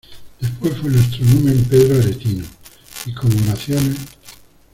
después fué nuestro numen Pedro Aretino, y como oraciones